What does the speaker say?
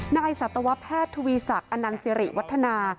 นักอัยสัตวะแพทย์ทุวีศักดิ์อนันสิริวัฒนา